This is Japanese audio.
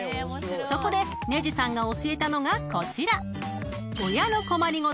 ［そこでねじさんが教えたのがこちら］